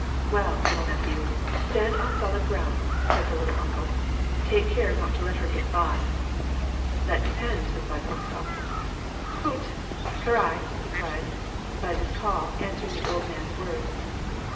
" Well, little nephew, stand on solid ground," said the "little uncle." " Take care not to let her get by." " That depends," replied Rostof ." Phut ! Karai !" he cried ; by this call answering the old man's words.